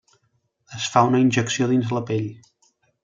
Es fa una injecció dins la pell.